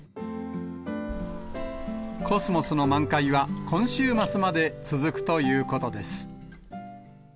コスモスの満開は、今週末まで続くということです。